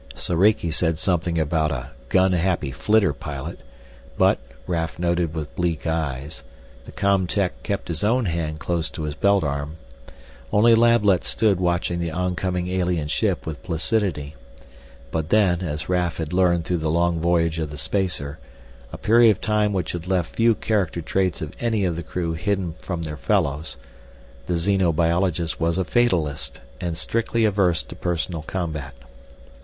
Soriki said something about a "gun happy flitter pilot," but, Raf noted with bleak eyes, the com tech kept his own hand close to his belt arm. Only Lablet stood watching the oncoming alien ship with placidity. But then, as Raf had learned through the long voyage of the spacer, a period of time which had left few character traits of any of the crew hidden from their fellows, the xenobiologist was a fatalist and strictly averse to personal combat.